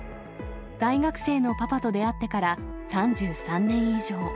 大学生のパパと出会ってから３３年以上。